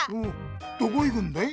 どこ行くんだい？